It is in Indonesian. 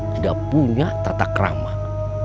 tidak punya tatak ramah